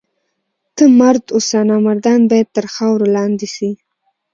ته مرد اوسه! نامردان باید تر خاورو لاندي سي.